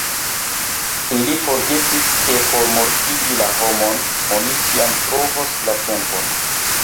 Ili forgesis, ke por mortigi la homon oni ĉiam trovos la tempon.